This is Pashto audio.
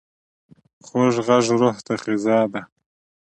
خوږ غږ روح ته غذا ده.